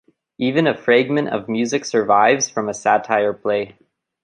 Even a fragment of music survives from a satyr play.